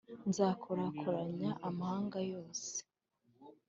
nzakorakoranya amahanga yose,